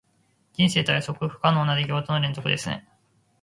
人生とは、予測不可能な出来事の連続ですね。